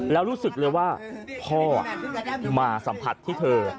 แล้วรู้สึกเลยว่าพ่อมาสัมผัสที่เธอ